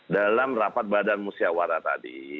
dalam rapat badan musyawara tadi